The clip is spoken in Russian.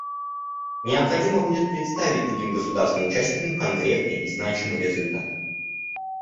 Необходимо будет представить другим государствам-участникам конкретные и значимые результаты.